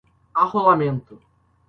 arrolamento